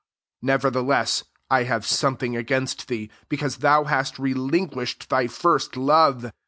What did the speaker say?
4 Nevertheless I have something against thee, because thoq/iiast relinquished thy first love.